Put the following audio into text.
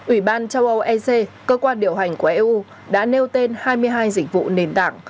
ủy ban châu âu ec cơ quan điều hành của eu đã nêu tên hai mươi hai dịch vụ nền tảng